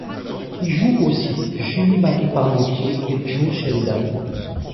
Y jouent aussi Julie-Marie Parmentier et Joe Sheridan.